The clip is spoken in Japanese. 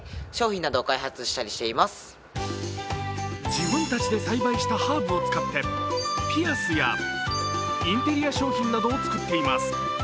自分たちで栽培したハーブを使ってピアスやインテリア商品などを作っています。